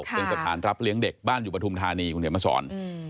เป็นสถานรับเลี้ยงเด็กบ้านอยู่บรรทุมธานีกรุงเกียรติมสร